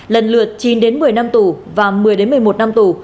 lần lượt chín đến một mươi năm tù và một mươi một mươi một năm tù